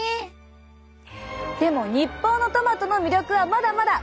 でも日本のトマトの魅力はまだまだ！